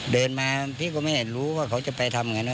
เดินมาพี่เค้าไม่ได้รู้ว่าเค้าจะไปทำอย่างไร